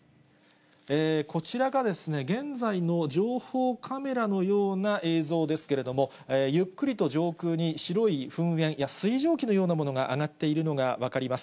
こちらがですね、現在の情報カメラのような映像ですけれども、ゆっくりと上空に白い噴煙、いや、水蒸気のようなものが上がっているのが分かります。